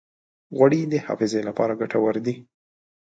غوړې د حافظې لپاره ګټورې دي.